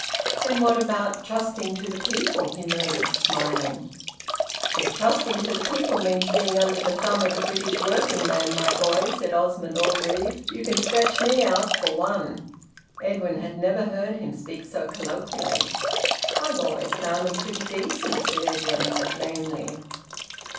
"Then what about `trusting to the people'?" he murmured, smiling. "If trusting to the people means being under the thumb of the British working man, my boy," said Osmond Orgreave, "you can scratch me out, for one." Edwin had never heard him speak so colloquially. "I've always found 'em pretty decent," said Edwin, but lamely.